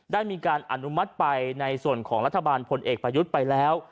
ได้มีการอนุมัติในรัฐบาลผลเอกประยุทธิ์ไปแล้ว